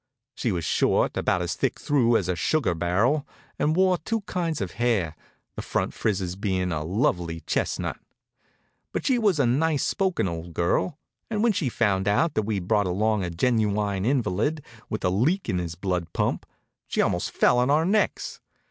She was short, about as thick through as a sugar barrel, and wore two kinds of hair, the front frizzes bein' a lovely chestnut. But she was a nice spoken old girl, and when she found out that we'd brought along a genuine invalid with a leak in his blood pump, she almost fell on our necks.